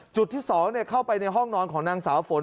จุดที่๒เข้าไปในห้องนอนของนางสาวฝน